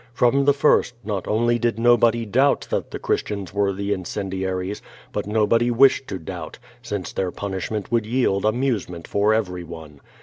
From the first, not only did nobody doubt that the Christians were the incendiaries, but nobody wished to doubt, since their punishment would yield amusement for everyone.